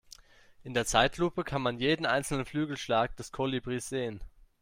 In der Zeitlupe kann man jeden einzelnen Flügelschlag des Kolibris sehen.